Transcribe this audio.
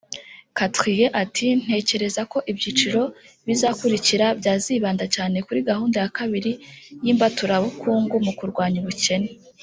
Katrien ati “Ntekereza ko ibyiciro bizakurikira byazibanda cyane kuri Gahunda ya kabiri y’imbaturabukungu mu kurwanya ubukene